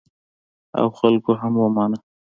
او خلکو هم ومانه.